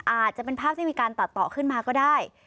อาจจะเป็นภาพที่มีการตัดต่อขึ้นมาก็ได้